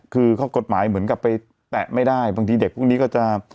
คือข้อกฎหมายเหมือนกับไปแตะไม่ได้บางทีเด็กพวกนี้ก็จะ